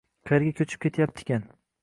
Qaerga ko`chib ketyaptikan